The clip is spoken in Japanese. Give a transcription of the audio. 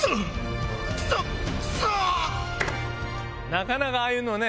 なかなかああいうのね。